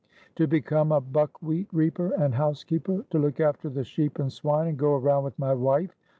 To become a buckwheat reaper and housekeeper, to look after the sheep and swine, and go around with my wife?